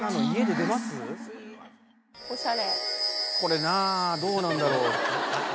これなどうなんだろう。